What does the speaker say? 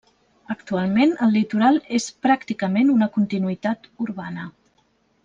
Actualment, el litoral és pràcticament una continuïtat urbana.